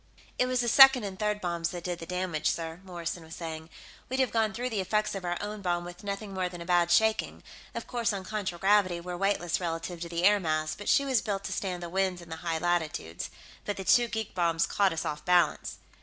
"It was the second and third bombs that did the damage, sir," Morrison was saying. "We'd have gone through the effects of our own bomb with nothing more than a bad shaking of course, on contragravity, we're weightless relative to the air mass, but she was built to stand the winds in the high latitudes. But the two geek bombs caught us off balance...."